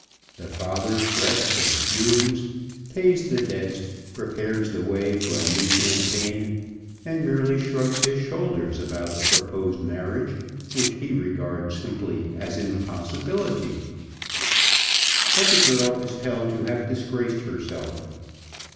The father frets and fumes, pays the debts, prepares the way for a new campaign, and merely shrugs his shoulders about the proposed marriage, which he regards simply as an impossibility. But the girl is held to have disgraced herself.